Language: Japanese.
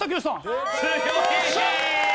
強い！